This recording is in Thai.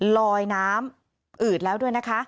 ลอยน้ำอืดแล้วด้วยนะคะ